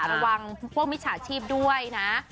ระวังพวกมิจฉาชีพด้วยนะ